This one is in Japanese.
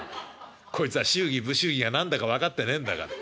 こいつは祝儀不祝儀が何だか分かってねえんだから。